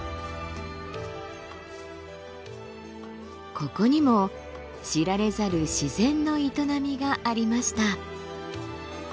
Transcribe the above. ここにも知られざる自然の営みがありました。